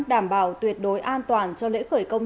đảm bảo tuyệt đối an toàn cho lễ khởi công